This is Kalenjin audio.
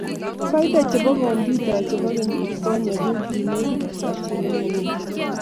Faida chebo kompyuta chebo kenyit konye ko kii nekit koit asilimia